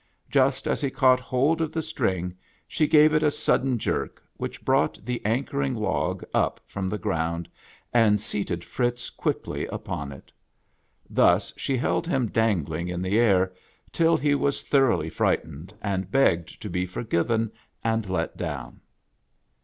Just as lie caught hold of the string, she gave it a sudden jerk which brought the anchoring log up from the ground and seated Fritz quickly upon it. Thus she held him dangling in the air, till he was thor oughly frightened, and begged to be forgiven and let down.